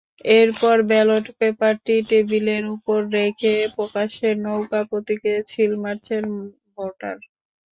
এরপর ব্যালট পেপারটি টেবিলের ওপর রেখে প্রকাশ্যে নৌকা প্রতীকে সিল মারছেন ভোটার।